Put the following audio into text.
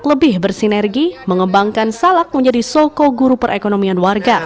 lebih bersinergi mengembangkan salak menjadi soko guru perekonomian warga